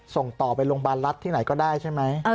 ส่งต่อไปโรงพยาบาลรัฐที่ไหนก็ได้ใช่ไหม